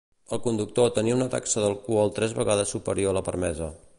El conductor tenia una taxa d'alcohol tres vegades superior a la permesa.